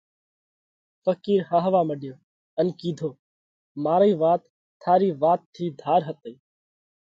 ڦقِير هاهوا مڏيو ان ڪِيڌو: مارئِي وات ٿارِي وات ٿِي ڌار هتئِي۔